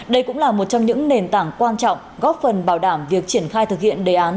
đây cũng là một trong những nền tảng quan trọng góp phần bảo đảm việc triển khai thực hiện đề án